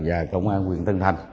và công an nguyễn tân thành